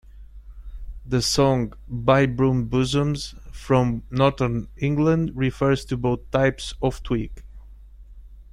The song "Buy Broom Buzzems" from Northern England refers to both types of twig.